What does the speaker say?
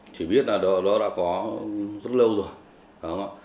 chỉ biết là nó đã có rất lâu rồi đúng không ạ